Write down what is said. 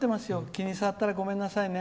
気に障ったらごめんなさいね。